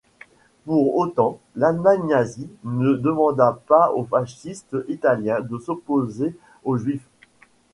Pour autant, l'Allemagne nazie ne demanda pas aux fascistes italiens de s'opposer aux Juifs.